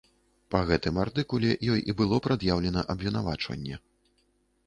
Па гэтым артыкуле ёй і было прад'яўлена абвінавачванне.